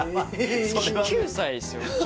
９歳ですよ